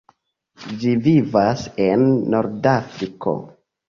Ĝi vivas en Nordafriko.